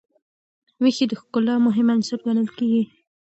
ویښتې د ښکلا مهم عنصر ګڼل کېږي.